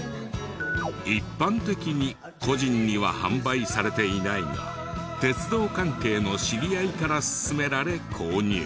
一般的に個人には販売されていないが鉄道関係の知り合いから勧められ購入。